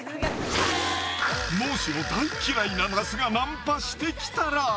もしも大嫌いな那須がナンパして来たら？